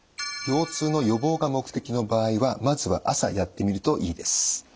腰痛の予防が目的の場合はまずは朝やってみるといいです。